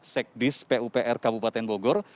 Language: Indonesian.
sekdis pupr kabupaten bogor